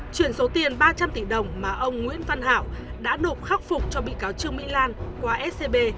chuyển số tiền ba trăm linh tỷ đồng mà ông nguyễn văn hảo đã nộp khắc phục cho bị cáo trương mỹ lan qua scb